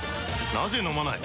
なぜ飲まない？